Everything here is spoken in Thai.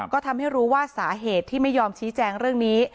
ก็ทำให้รู้ว่าสาเหตุที่ไม่ยอมชี้แจงเรื่องนี้